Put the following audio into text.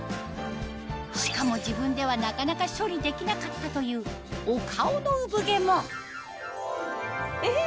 しかも自分ではなかなか処理できなかったというお顔の産毛もえ！